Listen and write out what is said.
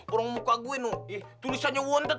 orang muka gue tuh ya tulisannya wontet